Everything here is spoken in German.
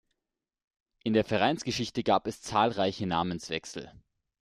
In der Vereinsgeschichte gab es zahlreiche Namenswechsel.